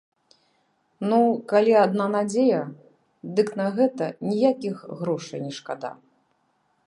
Ну, калі адна надзея, дык на гэта ніякіх грошай не шкада.